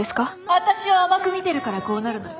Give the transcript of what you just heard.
私を甘く見てるからこうなるのよ！